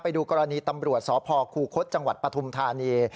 ดูกรณีตำรวจสพคูคศจังหวัดปฐุมธานี